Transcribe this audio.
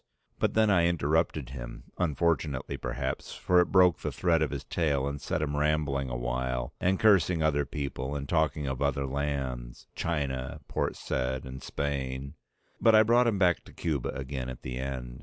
But then I interrupted him, unfortunately perhaps, for it broke the thread of his tale and set him rambling a while, and cursing other people and talking of other lands, China, Port Said and Spain: but I brought him back to Cuba again in the end.